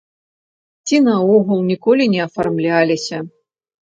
Ці наогул ніколі не афармляліся!